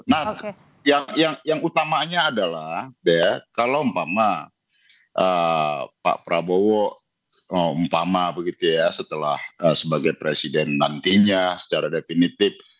nah yang utamanya adalah kalau pak prabowo umpama begitu ya setelah sebagai presiden nantinya secara definitif